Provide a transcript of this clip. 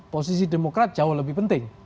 posisi demokrat jauh lebih penting